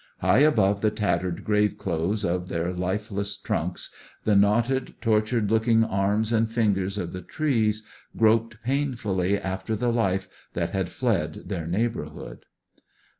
High above the tattered grave clothes of their lifeless trunks, the knotted, tortured looking arms and fingers of the trees groped painfully after the life that had fled their neighbourhood.